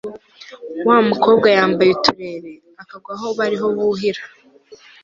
wa mukobwa yambaye uturere, a kagwa aho bariho buhira